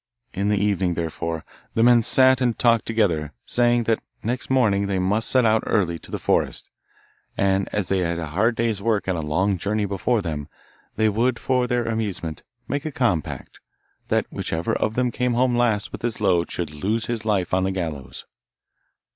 In the evening, therefore, the men sat and talked together, saying that next morning they must set out early to the forest, and as they had a hard day's work and a long journey before them, they would, for their amusement, make a compact, that whichever of them came home last with his load should lose his life on the gallows.